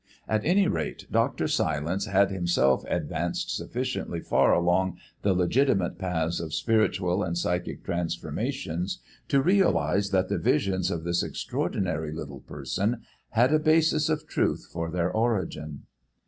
At any rate, Dr. Silence had himself advanced sufficiently far along the legitimate paths of spiritual and psychic transformations to realise that the visions of this extraordinary little person had a basis of truth for their origin.